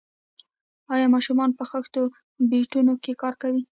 آیا ماشومان په خښتو بټیو کې کار کوي؟